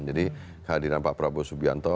jadi kehadiran pak prabowo julianto